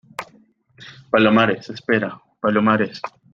palomares, espera. palomares .